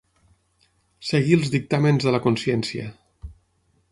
Seguir els dictàmens de la consciència.